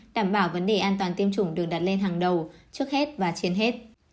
đảm bảo vấn đề an toàn tiêm chủng được đặt lên hàng đầu trước hết và trên hết